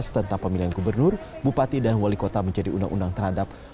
tentang pemilihan gubernur bupati dan wali kota menjadi undang undang terhadap